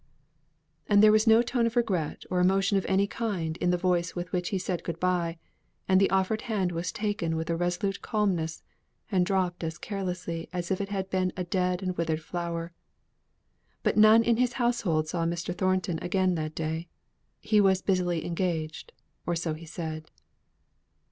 And there was no tone of regret, or emotion of any kind in the voice with which he said good bye; and the offered hand was taken with a resolute calmness, and dropped as carelessly as if it had been a dead and withered flower. But none in his household saw Mr. Thornton again that day. He was busily engaged; or so he said.